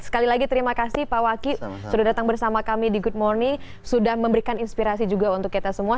sekali lagi terima kasih pak waki sudah datang bersama kami di good morning sudah memberikan inspirasi juga untuk kita semua